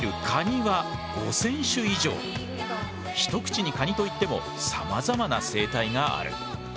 一口にカニといってもさまざまな生態がある。